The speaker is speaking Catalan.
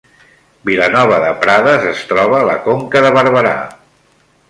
Vilanova de Prades es troba a la Conca de Barberà